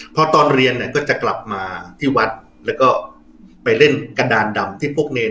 พอตอนเรียนเนี่ยก็จะกลับมาที่วัดแล้วก็ไปเล่นกระดานดำที่พวกเนร